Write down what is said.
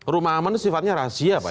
rumah aman itu sifatnya rahasia pak ya